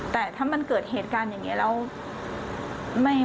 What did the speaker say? แต่ถ้ามันเกิดเหตุการณ์อย่างนี้แล้ว